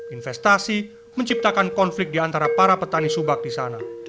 investasi menciptakan konflik di antara para petani subak di sana